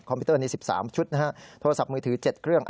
พิวเตอร์นี้๑๓ชุดนะฮะโทรศัพท์มือถือ๗เครื่อง